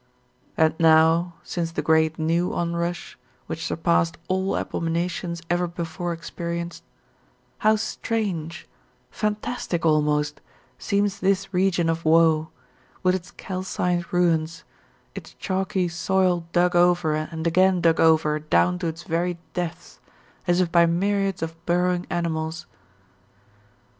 And now since the great new onrush, which surpassed all abominations ever before experienced, how strange, fantastic almost, seems this region of woe, with its calcined ruins, its chalky soil dug over and again dug over down to its very depths, as if by myriads of burrowing animals.